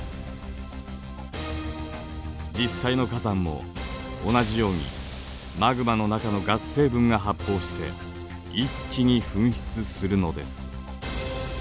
実際の火山も同じようにマグマの中のガス成分が発泡して一気に噴出するのです。